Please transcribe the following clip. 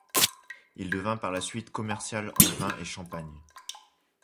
Il devient par la suite commercial en vins et champagne.